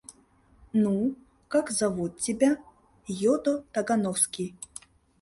— Ну, как зовут тебя? — йодо Тагановский.